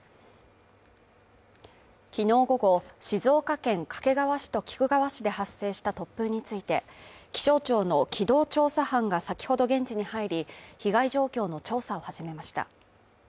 きのう午後静岡県掛川市と菊川市で発生した突風について気象庁の機動調査班が先ほど現地に入り、被害状況の調査を始めました。